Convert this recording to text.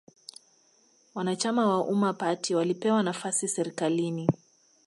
Wanachama wa Umma party walipewa nafasi serikalini